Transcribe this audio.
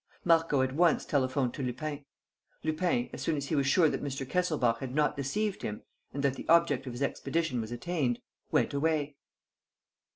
Marco at once telephoned to Lupin. Lupin, as soon as he was sure that Mr. Kesselbach had not deceived him and that the object of his expedition was attained, went away."